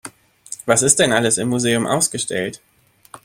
Was ist denn alles im Museum ausgestellt?